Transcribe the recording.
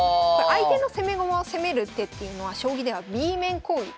相手の攻め駒を攻める手っていうのは将棋ではＢ面攻撃。